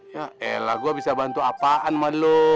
ya ella gue bisa bantu apaan sama lo